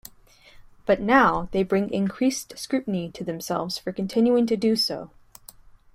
But now they bring increased scrutiny to themselves for continuing to do so.